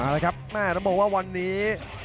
เอาละครับแม่ต้องบอกว่าวันนี้